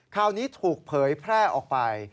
ข่าวนี้ถูกเผยแพร่ออกไป